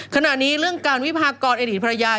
ขณะนี้เรื่องการวิพากรอดีตภรรยา